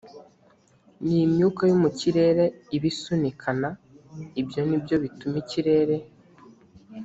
ni imyuka yo mu kirere iba isunikana ibyo ni byo bituma ikirere